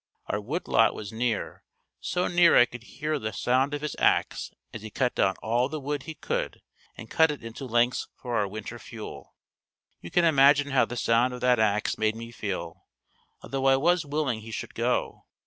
Our wood lot was near, so near I could hear the sound of his ax as he cut down all the wood he could and cut it into lengths for our winter fuel. You can imagine how the sound of that ax made me feel, although I was willing he should go.